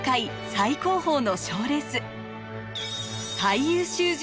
最高峰の賞レース